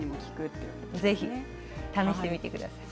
ぜひ試してみてください。